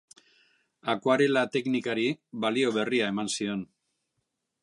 Akuarela teknikari balio berria eman zion.